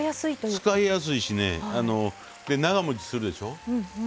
使いやすいし長もちするでしょ。